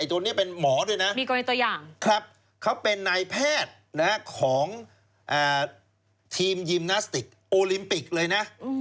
ไอ้ตัวนี้เป็นหมอด้วยก็เป็นไหนพแทสของทีมยิมนาสติกโอลิมปิกเลยนะ